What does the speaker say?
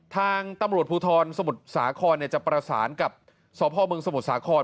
ทางตำรวจภูทรสมุทรสาครจะประสานกับสพมสมุทรสาคร